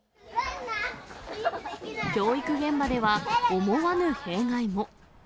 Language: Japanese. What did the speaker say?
教育現場では、思わぬ弊害も。